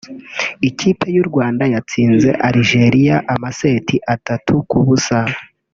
Ikipe y’u Rwanda yatsinze Algeria amaseti atatu ku busa